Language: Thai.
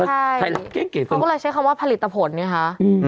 ใช่เขาก็เลยใช้คำว่าผลิตผลไงคะ